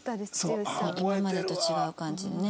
今までと違う感じでね。